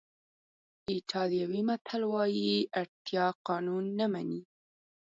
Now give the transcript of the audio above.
ایټالوي متل وایي اړتیا قانون نه مني.